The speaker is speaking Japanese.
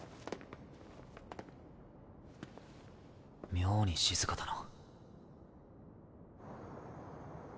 妙に静かだな。